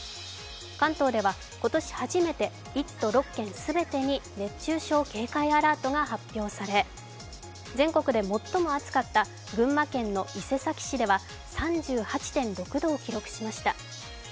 関東では今年初めて１都６県全てに熱中症警戒アラートが発表され、全国で最も扱った群馬県の伊勢崎市では３６．８度を記録しました。